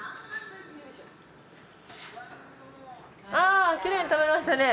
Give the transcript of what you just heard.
ああきれいに食べましたね。